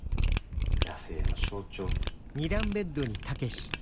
「野生の象徴」って。